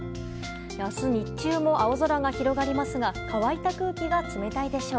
明日日中も青空が広がりますが乾いた空気が冷たいでしょう。